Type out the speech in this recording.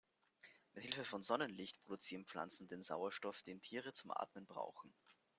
Mithilfe von Sonnenlicht produzieren Pflanzen den Sauerstoff, den Tiere zum Atmen brauchen.